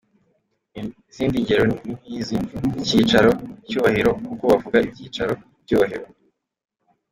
Izindi ngero ni nk’izi: icyicaro, icyuhahiro kuko bavuga ibyicaro, ibyubahiro.